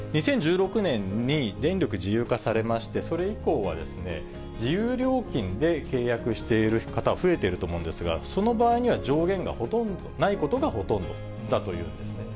２０１６年に電力自由化されまして、それ以降は、自由料金で契約している方、増えてると思うんですが、その場合には上限がほとんどないことがほとんどだというんですね。